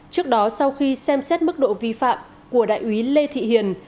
trước đó sau khi xem xét mức độ vi phạm của đại úy lê thị hiền